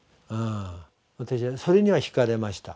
私はそれにはひかれました。